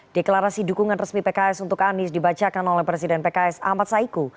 deklarasi dukungan resmi pks untuk anies dibacakan oleh presiden pks ahmad saiku